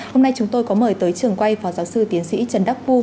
hôm nay chúng tôi có mời tới trường quay phó giáo sư tiến sĩ trần đắc phu